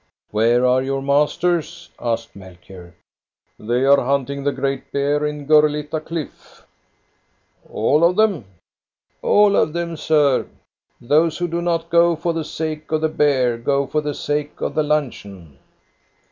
" Where are your masters? " asked Melchior. THE AUCTION AT BJORNE 1 57 " They are hunting the great bear in Gurlitta Cliff." "All of them?" " All of them, sir. Those who do not go for the sake of the bear go for the sake of the luncheon."